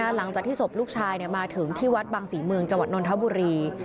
หลังจากที่ศพลูกชายมาถึงที่วัดบางศรีเมืองจังหวัดนทบุรี